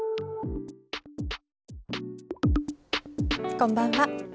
こんばんは。